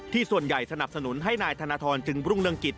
ส่วนใหญ่สนับสนุนให้นายธนทรจึงรุ่งเรืองกิจ